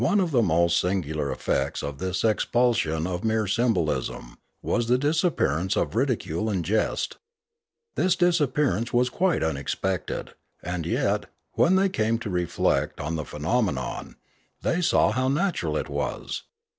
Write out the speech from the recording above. One of the most singular effects of this expulsion of mere symbolism was the disappearance of ridicule and jest. This disappearance was quite unexpected, and yet, when they came to reflect on the phenomenon, they saw how natural it was.